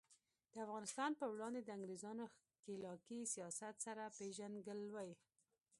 د افغانستان په وړاندې د انګریزانو ښکیلاکي سیاست سره پیژندګلوي.